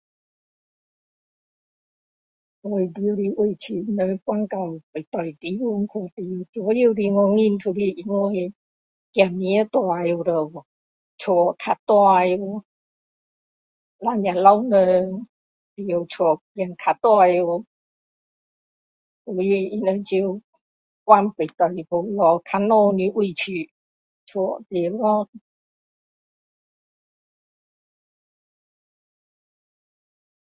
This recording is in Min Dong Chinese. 我住的地方他们搬到别的地方去的也有孩子大了屋子比较大两个老人住家太大了所以他们就搬去找比较小的地方屋子住咯